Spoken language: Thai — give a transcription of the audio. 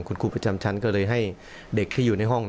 คุณครูประจำชั้นก็เลยให้เด็กที่อยู่ในห้อง